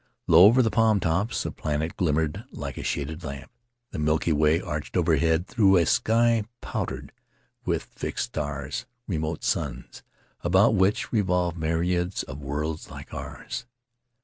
Low over the palm tops a planet glimmered like a shaded lamp; the Milky Way arched overhead through a sky pow dered with fixed stars — remote suns, about which re volve myriads of worlds like ours.